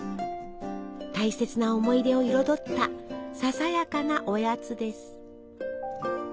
大切な思い出を彩ったささやかなおやつです。